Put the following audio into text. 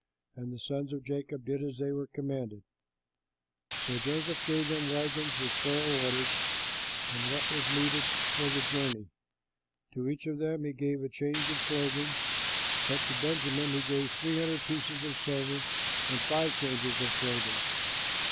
'" And the sons of Jacob did as they were commanded. So Joseph gave them wagons, as Pharaoh ordered, and what was needed for the journey. To each of them he gave a change of clothing, but to Benjamin he gave three hundred pieces of silver and five changes of clothing.